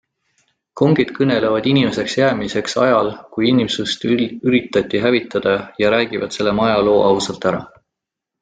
Kongid kõnelevad inimeseks jäämiseks ajal, kui inimsust üritati hävitada, ja räägivad selle maja loo ausalt ära.